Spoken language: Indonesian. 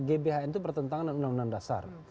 gbhn itu bertentangan dengan undang undang dasar